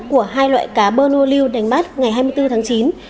của hai loại cá bernoulliu đánh bắt ngày hai mươi bốn tháng chín